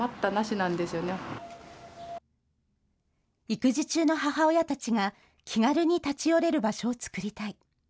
育児中の母親たちが、気軽に立ち寄れる場所を作りたい。